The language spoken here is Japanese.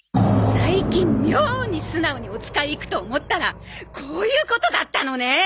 最近妙に素直にお使い行くと思ったらこういうことだったのね！